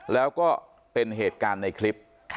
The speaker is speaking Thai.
แล้วก็เป็นเหตุการณ์ในคลิป